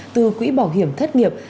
từ quỹ bảo hiểm thất nghiệp